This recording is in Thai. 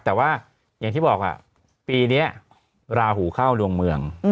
แต่ว่าอย่างที่บอกปีนี้ราหูเข้าดวงเมือง